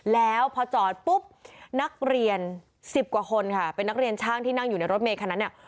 แล้วพอจอดปุ๊บนักเรียนสิบกว่าคนค่ะเป็นนักเรียนช่างที่นั่งอยู่ในรถเมย์คันนั้นเนี่ย